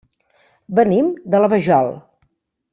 Venim de la Vajol.